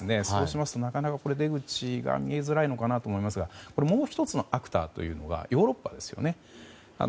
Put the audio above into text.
そうしますと、なかなか出口が見えづらいのかなと思いますがもう１つのファクターがヨーロッパですよね。